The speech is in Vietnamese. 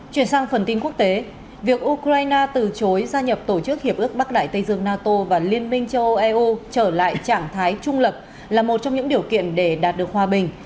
chuyển sang phần tin quốc tế việc ukraine từ chối gia nhập tổ chức hiệp ước bắc đại tây dương nato và liên minh châu âu eu trở lại trạng thái trung lập là một trong những điều kiện để đạt được hòa bình